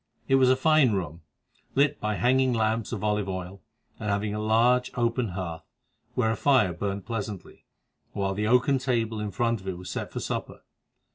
It was a fine room, lit by hanging lamps of olive oil, and having a large, open hearth where a fire burned pleasantly, while the oaken table in front of it was set for supper.